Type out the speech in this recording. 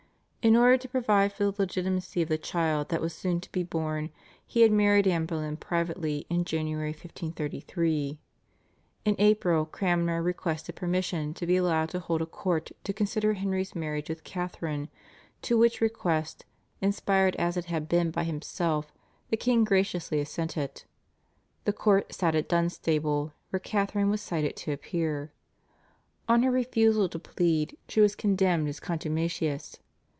In order to provide for the legitimacy of the child that was soon to be born, he had married Anne Boleyn privately in January 1533. In April Cranmer requested permission to be allowed to hold a court to consider Henry's marriage with Catharine, to which request, inspired as it had been by himself, the king graciously assented. The court sat at Dunstable, where Catharine was cited to appear. On her refusal to plead she was condemned as contumacious.